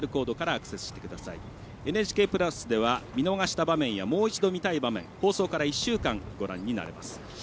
ＮＨＫプラスでは見逃した場面やもう一度見たい場面を放送から１週間、ご覧になれます。